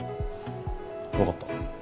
わかった。